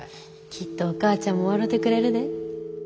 きっとお母ちゃんも笑てくれるで。